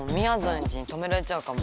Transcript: エンジに止められちゃうかも。